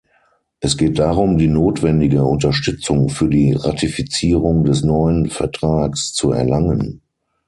Es geht darum, die notwendige Unterstützung für die Ratifizierung des neuen Vertrags zu erlangen.